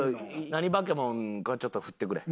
何バケモノかをちょっと振ってくれ。